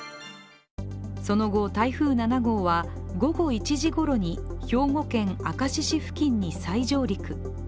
その後、台風７号は午後１時ごろに兵庫県明石市付近に再上陸。